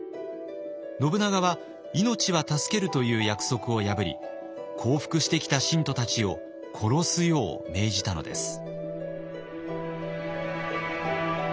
信長は「命は助ける」という約束を破り降伏してきた信徒たちを殺すよう命じたのです。